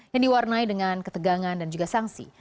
yang diwarnai dengan ketegangan dan juga sanksi